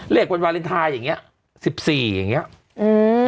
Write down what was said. เลขวันวาเลนไทยอย่างนี้๑๔บาท